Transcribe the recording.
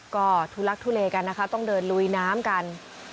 ก็ทุลักทุเลกันนะคะต้องเดินลุยน้ำกัน